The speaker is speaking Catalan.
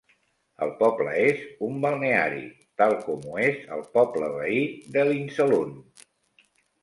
El poble és un balneari, tal com ho és el poble veí d'Elisenlund.